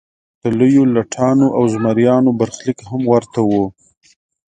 د لویو لټانو او زمریانو برخلیک هم ورته و.